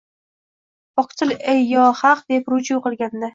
Pokdil el «Yo haq!» deb ruju qilganda